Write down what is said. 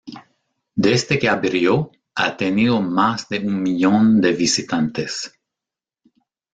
Desde que abrió ha tenido más de un millón de visitantes.